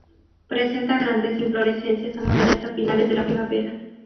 Presenta grandes inflorescencias amarillas a finales de la primavera.